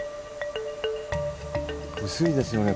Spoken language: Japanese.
薄いですよね。